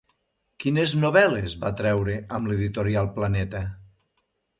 Quines novel·les va treure amb l'editorial Planeta?